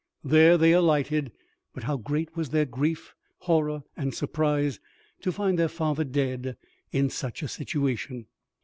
There they alighted; but how great was their grief, horror, and surprise, to find their father dead in such a situation!